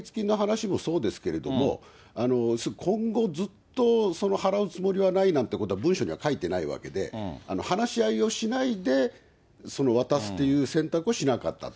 解決金の話もそうですけれども、今後、ずっと払うつもりはないなんてことは文書には書いていないわけで、話し合いをしないで、渡すという選択をしなかったと。